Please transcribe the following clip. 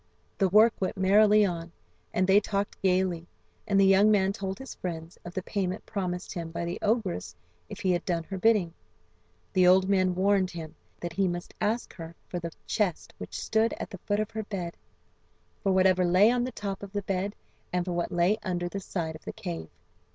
The work went merrily on, and they talked gaily, and the young man told his friends of the payment promised him by the ogress if he had done her bidding. The old men warned him that he must ask her for the chest which stood at the foot of her bed, for whatever lay on the top of the bed, and for what lay under the side of the cave.